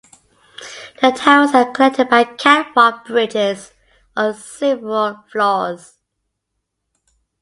The towers are connected by catwalk bridges on several floors.